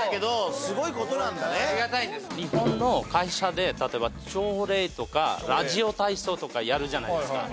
日本の会社で例えば朝礼とかラジオ体操とかやるじゃないですか。